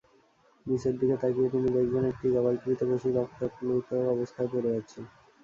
নিচের দিকে তাকিয়ে তিনি দেখবেন, একটি জবাইকৃত পশু রক্তাপ্লুত অবস্থায় পড়ে আছে।